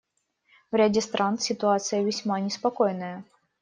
В ряде стран ситуация весьма неспокойная.